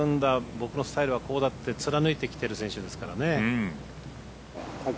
僕のスタイルはこうだって貫いてきてる選手ですからね。